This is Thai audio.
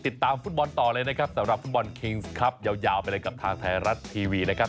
ติดตามฟุตบอลต่อเลยนะครับสำหรับฟุตบอลคิงส์ครับยาวไปเลยกับทางไทยรัฐทีวีนะครับ